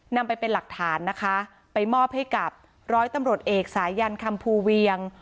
นำไปเป็นหลักฐานนะคะไปมอบให้กับร้อยตำรวจเอกสายันคำภูเวียง